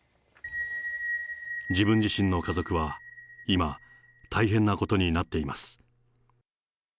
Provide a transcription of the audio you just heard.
自分自身の家族は今、大変なことになっています。